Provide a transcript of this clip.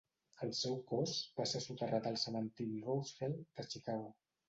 El seu cos va ser soterrat al cementiri Rosehill de Chicago.